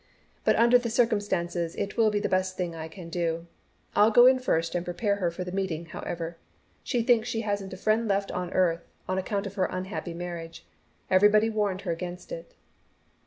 "But under the circumstances it will be the best thing I can do. I'll go in first and prepare her for the meeting, however. She thinks she hasn't a friend left on earth, on account of her unhappy marriage. Everybody warned her against it."